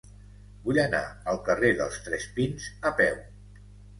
Vull anar al carrer dels Tres Pins a peu.